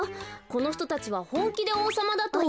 このひとたちはほんきでおうさまだと。